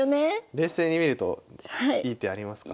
冷静に見るといい手ありますか？